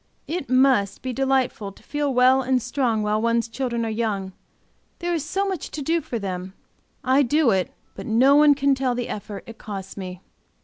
It must, be delightful to feel well and strong while one's children are young, there is so much to do for them. I do it; but no one can tell the effort, it costs me.